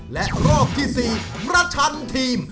และรอบที่๔ประชันทีม